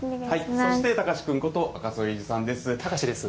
そして貴司君こと赤楚衛二さ貴司です。